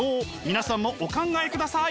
皆さんもお考えください！